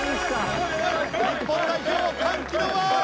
日本代表歓喜の輪！